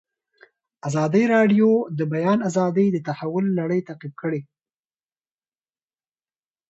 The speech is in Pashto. ازادي راډیو د د بیان آزادي د تحول لړۍ تعقیب کړې.